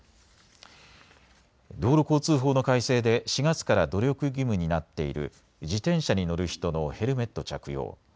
道路交通法の改正で４月から努力義務になっている自転車に乗る人のヘルメット着用。